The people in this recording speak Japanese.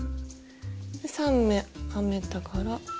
で３目編めたから。